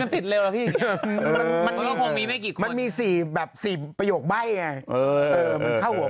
ติดแล้วมันมีสี่แบบสี่ประโยคใบ่ไงเออมันเข้าหัว